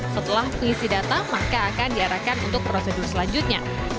setelah pengisi data maka akan diarahkan untuk prosedur selanjutnya